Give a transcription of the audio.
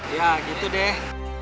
ya gitu deh